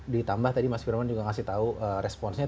ditambah tadi mas firman juga ngasih tahu responsnya